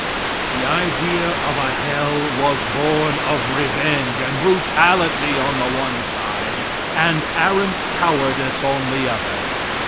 The idea of a hell was born of revenge and brutality on the one side, and arrant cowardice on the other.